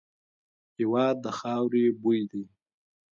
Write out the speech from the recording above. هېواد د خاوري بوی دی.